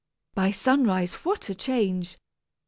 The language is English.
By sunrise what a change!